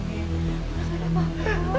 mas ada apa